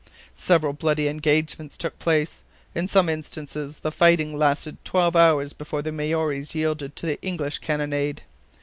Several bloody engagements took place; in some instances the fighting lasted twelve hours before the Maories yielded to the English cannonade.